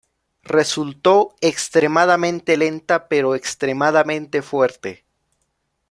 Resultó extremadamente lenta pero extremadamente fuerte.